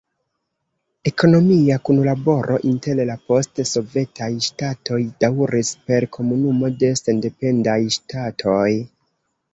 Ekonomia kunlaboro inter la post-sovetaj ŝtatoj daŭris per Komunumo de Sendependaj Ŝtatoj.